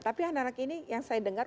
tapi anak anak ini yang saya dengar